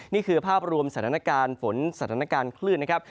นี่คือภาพรวมสถานการณ์ฝนสถานการณ์คลื่นนะครับ